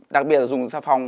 đặc biệt là dùng xà phòng